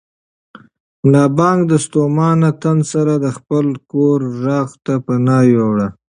ملا بانګ د ستومانه تن سره د خپل کور غېږې ته پناه یووړه.